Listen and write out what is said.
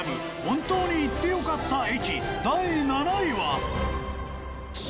本当に行ってよかった駅第７位は。